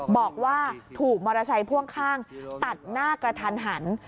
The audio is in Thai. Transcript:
บอกว่าถูกมอเตอร์ไซค์พ่วงข้างตัดหน้ากระทันหัน